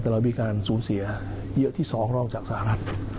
แต่เรามีการสูญเสียเยอะที่๒นอกจากสหรัฐ